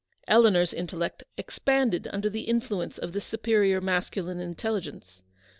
Eleanor's intellect expanded under the influence of this supe rior masculine intelligence.